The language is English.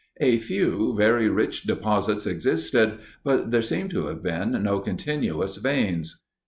A few very rich deposits existed, but there seem to have been no continuous veins.